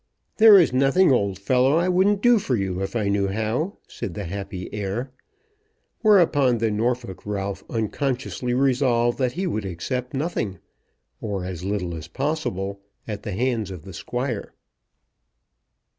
"There is nothing, old fellow, I wouldn't do for you, if I knew how," said the happy heir. Whereupon the Norfolk Ralph unconsciously resolved that he would accept nothing, or as little as possible, at the hands of the Squire.